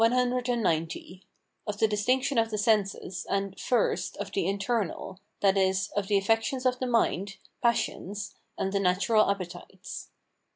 Of the distinction of the senses; and, first, of the internal, that is, of the affections of the mind (passions), and the natural appetites.